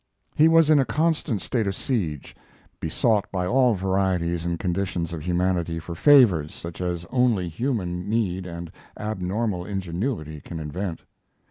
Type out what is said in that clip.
He was in a constant state of siege, besought by all varieties and conditions of humanity for favors such as only human need and abnormal ingenuity can invent.